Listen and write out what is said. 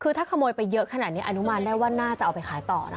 คือถ้าขโมยไปเยอะขนาดนี้อนุมานได้ว่าน่าจะเอาไปขายต่อนะ